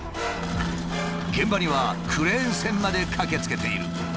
現場にはクレーン船まで駆けつけている。